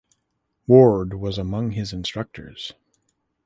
Ward was among his instructors.